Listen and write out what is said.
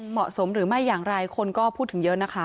เหมาะสมหรือไม่อย่างไรคนก็พูดถึงเยอะนะคะ